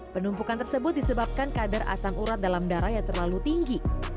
penumpukan tersebut disebabkan kadar asam urat dalam darah yang terlalu tinggi